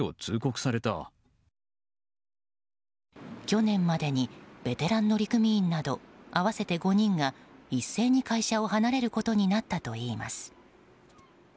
去年までにベテラン乗組員など合わせて５人が一斉に会社を離れることになったといいます。